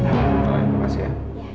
terima kasih ya